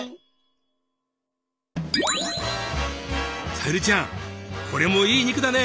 沙友理ちゃんこれもいい肉だね。